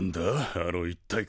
あの一体感。